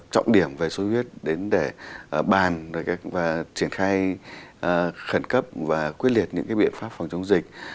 trọng điểm về xuất huyết đến để bàn và triển khai khẩn cấp và quyết liệt những biện pháp phòng chống dịch